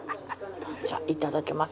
じゃあいただきます。